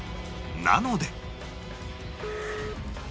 なので